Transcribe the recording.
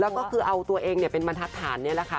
แล้วก็คือเอาตัวเองเป็นบรรทัศนนี่แหละค่ะ